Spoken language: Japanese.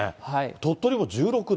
鳥取も１６度。